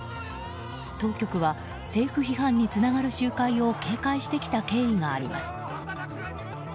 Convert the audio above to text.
当局は政府批判につながる集会を警戒してきた経緯があります。